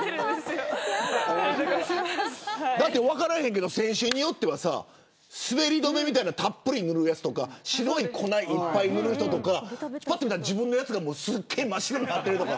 分からへんけど選手によっては滑り止めみたいなのをたっぷり塗るやつとか白い粉いっぱい塗る人とか自分のやつがすごい真っ白になってるとか。